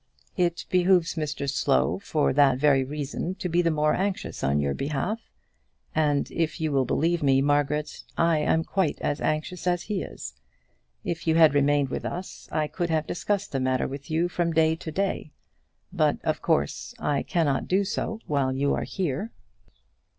"It behoves Mr Slow, for that very reason, to be the more anxious on your behalf; and, if you will believe me, Margaret, I am quite as anxious as he is. If you had remained with us, I could have discussed the matter with you from day to day; but, of course, I cannot do so while you are here."